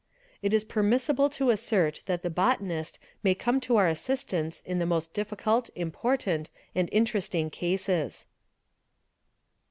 It is permissible to assert that the botanist may come to our assistance in the most difficult important, and interesting cases.